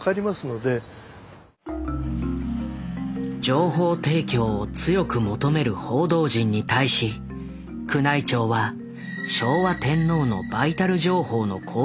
情報提供を強く求める報道陣に対し宮内庁は昭和天皇のバイタル情報の公表を決めた。